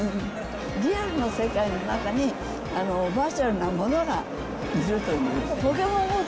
リアルの世界の中に、バーチャルなものがいるという。